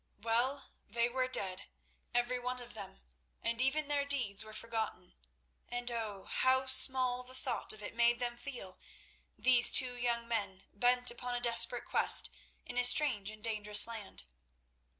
Well, they were dead, everyone of them, and even their deeds were forgotten; and oh! how small the thought of it made them feel, these two young men bent upon a desperate quest in a strange and dangerous land.